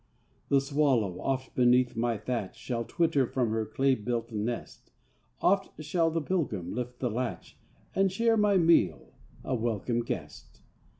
The swallow, oft, beneath my thatch, Shall twitter from her clay built nest; Oft shall the pilgrim lift the latch, And share my meal, a welcome guest.